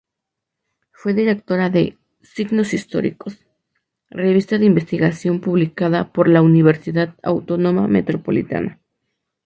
Fue directora de "Signos históricos", revista de investigación publicada por la Universidad Autónoma Metropolitana.